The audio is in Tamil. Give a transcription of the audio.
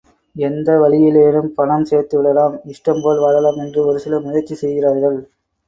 எந்த வழியிலேனும் பணம் சேர்த்து விடலாம், இஷ்டம் போல் வாழலாம் என்று ஒருசிலர் முயற்சி செய்கிறார்கள்.